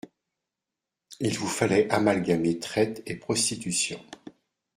Il vous fallait amalgamer traite et prostitution.